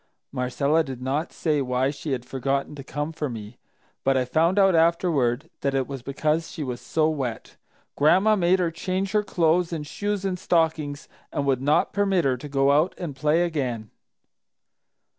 Marcella did not say why she had forgotten to come for me, but I found out afterward that it was because she was so wet. Gran'ma made her change her clothes and shoes and stockings and would not permit her to go out and play again.